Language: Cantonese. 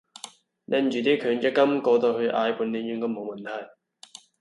拎住啲強積金過到去捱半年應該冇問題